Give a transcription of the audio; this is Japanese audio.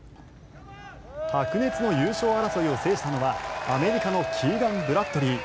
白熱の優勝争いを制したのはアメリカのキーガン・ブラッドリー。